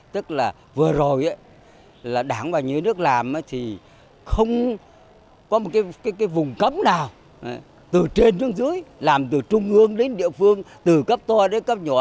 từ trên xuống dưới làm từ trung ương đến địa phương từ cấp to đến cấp nhỏ